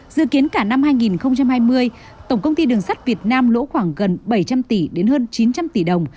dự kiến cả năm hai nghìn hai mươi tổng công ty đường sắt việt nam lỗ khoảng gần bảy trăm linh tỷ đến hơn chín trăm linh tỷ đồng